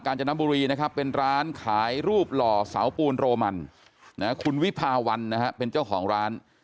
จนบุรีนะครับเป็นร้านขายรูปหล่อเสาปูนโรมันคุณวิภาวันนะฮะเป็นเจ้าของร้าน